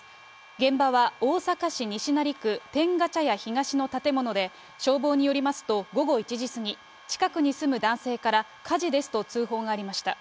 現場は大阪市西成区天下茶屋東の建物で、消防によりますと、午後１時過ぎ、近くに住む男性から、火事ですと通報がありました。